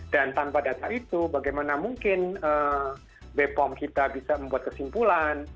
dan tanpa data itu bagaimana mungkin bepom kita bisa membuat kesimpulan